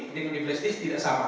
dengan di flash disk tidak sama